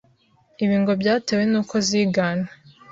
Ibi ngo byatewe n’uko ziganwe